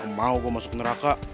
mau gue masuk neraka